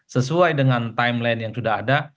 sesuai dengan timeline yang sudah ada